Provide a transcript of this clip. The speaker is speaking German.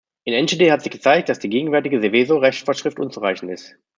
In Enschede hat sich gezeigt, dass die gegenwärtige Seveso-Rechtsvorschrift unzureichend ist.